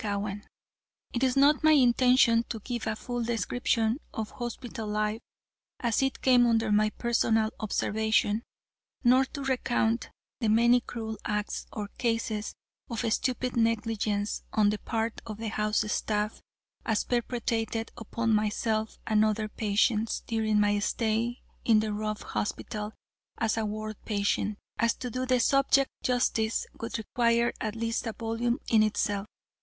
CHAPTER XXV It is not my intention to give a full description of hospital life as it came under my personal observation, nor to recount the many cruel acts or cases of stupid negligence on the part of the house staff as perpetrated upon myself and other patients, during my stay in the Ruff Hospital as a ward patient, as to do the subject justice would require at least a volume in itself.